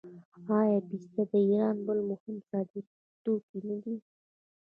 آیا پسته د ایران بل مهم صادراتي توکی نه دی؟